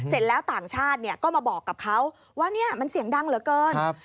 เสร็จแล้วต่างชาติก็มาบอกกับเขาว่านี่มันเสียงดังเหรอเกิน